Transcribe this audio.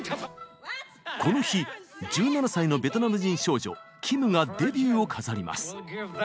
この日１７歳のベトナム人少女キムがデビューを飾ります。